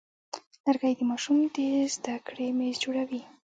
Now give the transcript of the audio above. لرګی د ماشوم د زده کړې میز جوړوي.